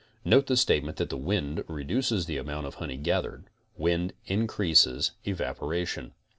Note the statement that the wind reduces the amount of honey gathered. Wind increases evaporation.